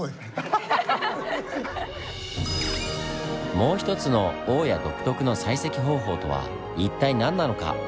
もう一つの大谷独特の採石方法とは一体何なのか？